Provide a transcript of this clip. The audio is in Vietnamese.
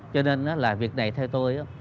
cho nên là việc này theo tôi